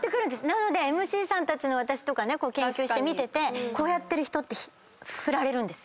なのでＭＣさんたち研究して見ててこうやってる人って振られる。